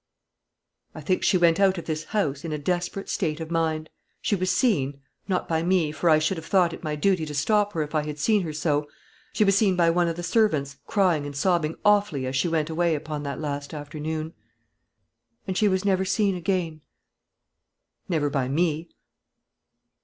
"I think that she went out of this house in a desperate state of mind. She was seen not by me, for I should have thought it my duty to stop her if I had seen her so she was seen by one of the servants crying and sobbing awfully as she went away upon that last afternoon." "And she was never seen again?" "Never by me."